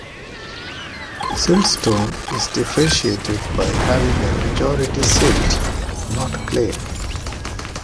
Siltstone is differentiated by having a majority silt, not clay.